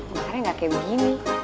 makannya ga kayak begini